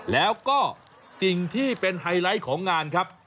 แล้วก็สิ่งที่เป็นไฮไลท์ของงานครับ